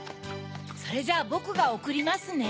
それじゃぼくがおくりますね。